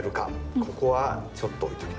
ここはちょっと置いときましょう。